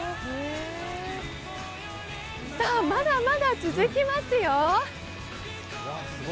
さあ、まだまだ続きますよ。